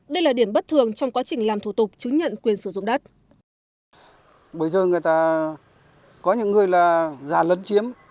đây là điểm bất thường trong quá trình làm thủ tục chứng nhận quyền sử dụng đất